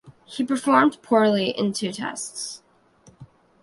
He performed poorly in two tests.